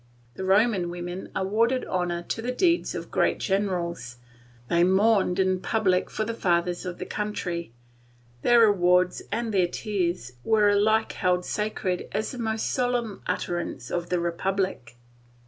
The Roman women awarded honour to the deeds of great generals, they mourned in public for the fathers of the country, their awards and their tears were alike held sacred as the most solemn utterance of the Republic.